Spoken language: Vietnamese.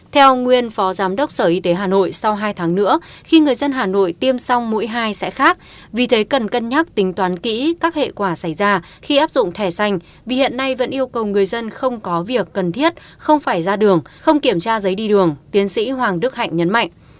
theo nguyên phó giám đốc sở y tế hà nội sau hai tháng nữa khi người dân hà nội tiêm xong mũi hai sẽ khác vì thế cần cân nhắc tính toán kỹ các hệ quả xảy ra khi áp dụng thẻ xanh vì hiện nay vẫn yêu cầu người dân không có việc cần thiết không phải ra đường không kiểm tra giấy đi đường tiến sĩ hoàng đức hạnh nhấn mạnh